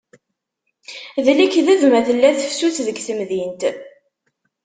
D lekdeb ma tella tefsut deg temdint.